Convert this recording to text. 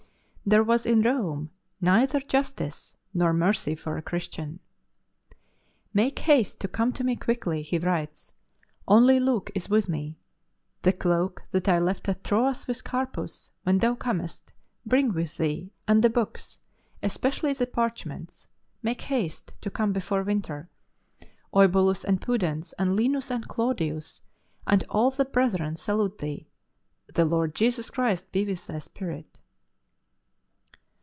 Rome neither justice " Make haste to come to me quickly, I writes, " only Luke is, with me. ... 1 126 LIFE OF ST. PAUL cloak that 1 left at Troas with Carpus, when thou comest, bring with thee and the books, especially the parchments. ... Make haste to come before winter. Eubulus and Pudens and Linus and Claudius and all the brethren salute thee. The Lord Jesus Christ be with thy spirit."